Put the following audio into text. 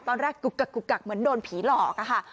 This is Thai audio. กุกกักกุกกักเหมือนโดนผีหลอกอะค่ะ